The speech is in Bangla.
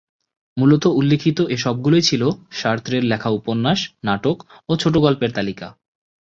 মূলত উল্লিখিত এ সবগুলোই ছিল সার্ত্রে’র লেখা উপন্যাস, নাটক ও ছোটগল্পের তালিকা।